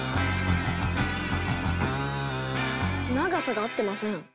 長さが合ってません。